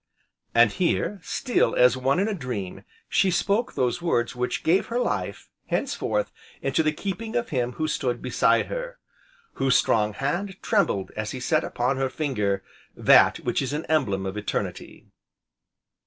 And here, still as one in a dream, she spoke those words which gave her life, henceforth, into the keeping of him who stood beside her, whose strong hand trembled as he set upon her finger, that which is an emblem of eternity.